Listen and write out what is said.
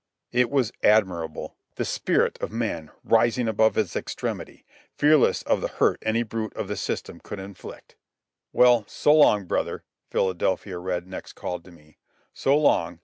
It was admirable—the spirit of man rising above its extremity, fearless of the hurt any brute of the system could inflict. "Well, so long, brother," Philadelphia Red next called to me. "So long.